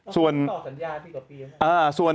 ส่วนส่วน